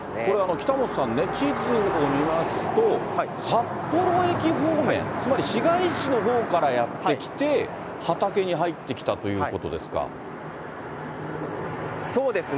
北本さんね、地図で見ますと、札幌駅方面、つまり市街地のほうからやって来て、畑に入ってきたということでそうですね。